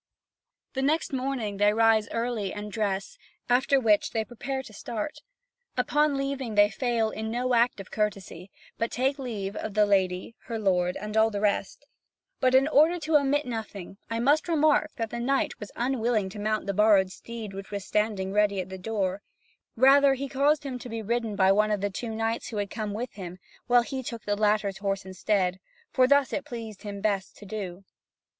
The next morning they rise early, and dress, after which they prepare to start. Upon leaving, they fail in no act of courtesy, but take leave of the lady, her lord, and all the rest. But in order to omit nothing, I must remark that the knight was unwilling to mount the borrowed steed which was standing ready at the door; rather, he caused him to be ridden by one of the two knights who had come with him, while he took the latter's horse instead, for thus it pleased him best to do.